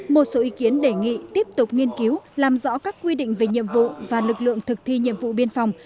một số ý kiến đề nghị tiếp tục nghiên cứu làm rõ các quy định về nhiệm vụ và lực lượng thực thi nhiệm vụ biên phòng